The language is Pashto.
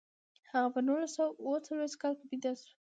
هغه په نولس سوه اووه څلویښت کال کې پیدا شو.